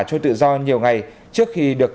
trôi tự do nhiều ngày trước khi được